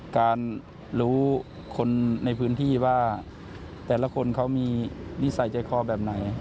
การรู้คนในพื้นที่ว่าแต่ละคนเขามีนิสัยใจคอแบบไหน